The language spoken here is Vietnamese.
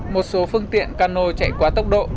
một số phương tiện cano chạy quá tốc độ